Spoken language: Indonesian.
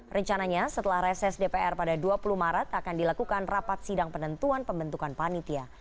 rencananya setelah reses dpr pada dua puluh maret akan dilakukan rapat sidang penentuan pembentukan panitia